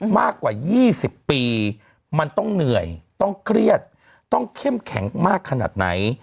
มากกว่า๒๐ปีมันต้องเหนื่อยต้องเครียดต้องเข้มแข็งมากขนาดไหน